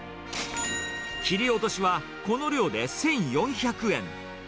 切り落としは、この量で１４００円。